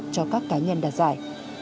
cho các cá nhân đạt giải